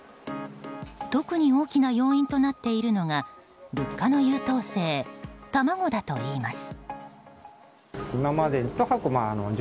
特に大きな要因となっているのが物価の優等生、卵だといいます。